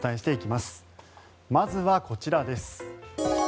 まずはこちらです。